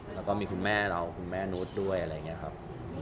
แล้วก็มีคุณแม่เราคุณแม่นุษย์ด้วยอะไรอย่างนี้ครับ